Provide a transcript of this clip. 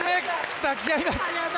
抱き合います。